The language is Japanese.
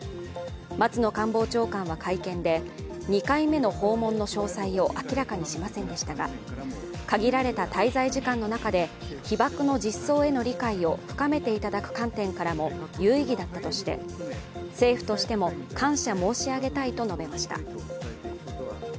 松野官房長官は会見で２回目の訪問の詳細を明らかにしませんでしたが、限られた滞在時間の中で被爆の実相への理解を深めていただく観点からも有意義だったとして政府としても感謝申し上げたいと述べました。